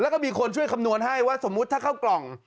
คำนวณให้ว่าสมมุติถ้าเข้ากล่อง